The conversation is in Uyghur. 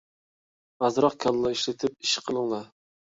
ئازراق كاللا ئىشلىتىپ ئىش قىلىڭلار!